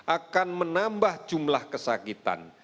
akan menambah jumlah kesakitan